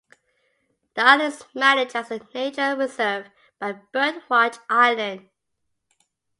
The island is managed as a nature reserve by BirdWatch Ireland.